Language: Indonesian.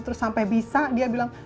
terus sampai bisa dia bilang